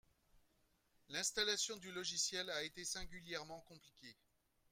L'installation du logiciel a été singulièrement compliquée